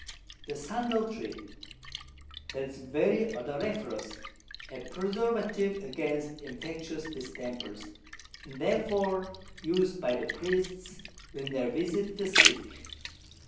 The Sandal Tree, that is very odoriferous, a Preservative against infectious Distempers, and therefore us'd by the Priests when they visit the Sick.